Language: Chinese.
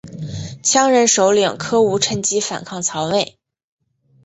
羌人首领柯吾趁机反抗曹魏。